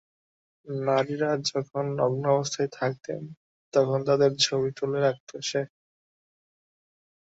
নারীরা যখন নগ্ন অবস্থায় থাকতেন, তখন তাঁদের ছবি তুলে রাখত সে।